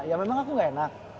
ya memang aku gak enak